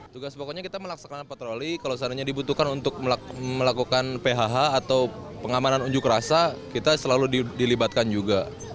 tugas pokoknya kita melaksanakan patroli kalau seandainya dibutuhkan untuk melakukan phh atau pengamanan unjuk rasa kita selalu dilibatkan juga